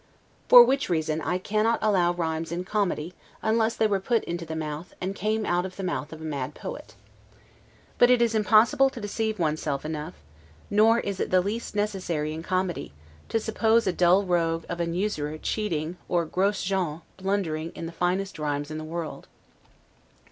For which reason I cannot allow rhymes in comedy, unless they were put into the mouth, and came out of the mouth of a mad poet. But it is impossible to deceive one's self enough (nor is it the least necessary in comedy) to suppose a dull rogue of an usurer cheating, or 'gross Jean' blundering in the finest rhymes in the world.